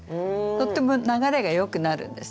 とっても流れがよくなるんですね。